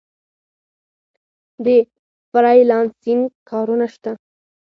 د فری لانسینګ کارونه شته؟